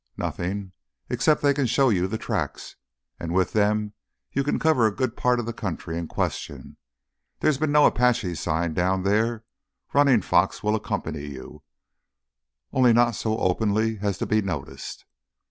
"Nothing. Except they can show you the tracks, and with them you can cover a good part of the country in question. There's been no Apache sign down there, and Running Fox will accompany you—only not so openly as to be noticed."